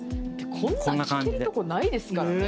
こんなん聞けるとこないですからね。